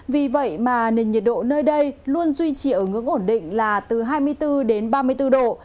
vì vậy mà nền nhiệt độ nơi đây luôn duy trì ở ngưỡng ổn định là từ hai mươi bốn đến ba mươi bốn độ